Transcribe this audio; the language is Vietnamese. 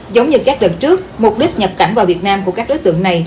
giống như các lần trước mục đích nhập cảnh vào việt nam của các đối tượng này